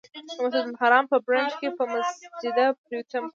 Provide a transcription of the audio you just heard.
د مسجدالحرام په برنډه کې په سجده پرېوتم.